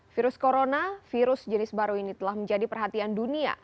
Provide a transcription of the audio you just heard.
virus corona virus jenis baru ini telah menjadi perhatian dunia